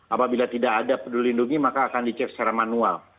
apabila tidak ada peduli lindungi maka akan dicek secara manual